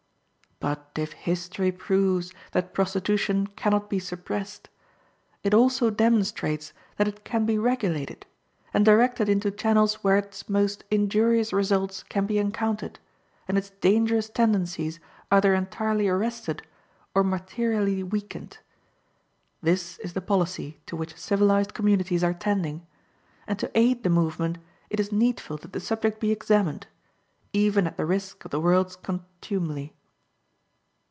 But if history proves that prostitution can not be suppressed, it also demonstrates that it can be regulated, and directed into channels where its most injurious results can be encountered, and its dangerous tendencies either entirely arrested or materially weakened. This is the policy to which civilized communities are tending, and to aid the movement it is needful that the subject be examined, even at the risk of the world's contumely.